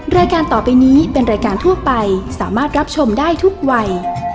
รายการต่อไปนี้เป็นรายการทั่วไปสามารถรับชมได้ทุกวัย